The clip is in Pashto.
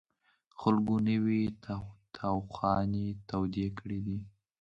خلکو نوې تاوخانې تودې کړې وې.